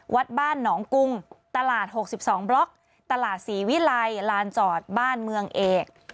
วัดบ้านหนองกุงตลาด๖๒บล็อกตลาดศรีวิลัยลานจอดบ้านเมืองเอก